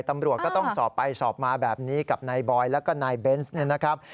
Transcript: ตำรวจก็ต้องสอบไปสอบมาแบบนี้กับนายบอยแล้วก็นายเบนส์เนี่ยนะครับ